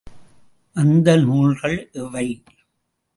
அந்த நூல்கள் எவை?